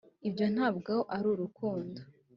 ibyo ntabwo ari urukundo